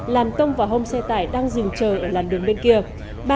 làm tông vào hông xe tải đang dừng chờ ở làn đường bên kia